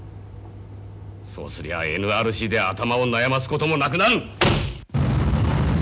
そうすりゃＮＲＣで頭を悩ますこともなくなる！